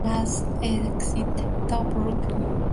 Last Exit to Brooklyn.